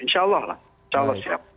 insya allah lah insya allah siap